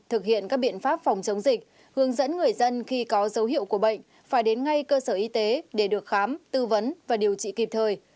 hướng dẫn người dân khi có dấu hiệu của bệnh phải đến ngay cơ sở y tế để được khám tư vấn và điều trị kịp thời